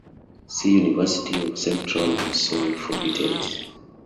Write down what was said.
See University of Central Missouri for details.